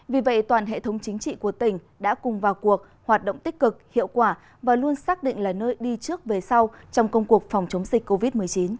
vì vậy toàn hệ thống chính trị của tỉnh đã cùng vào cuộc hoạt động tích cực hiệu quả và luôn xác định là nơi đi trước về sau trong công cuộc phòng chống dịch covid một mươi chín